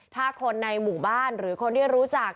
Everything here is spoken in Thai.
ถ้าคนในหมู่บ้านหรือคนที่รู้จัก